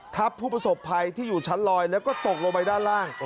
ผู้ประสบภัยที่อยู่ชั้นลอยแล้วก็ตกลงไปด้านล่าง